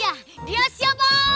iya dia siapa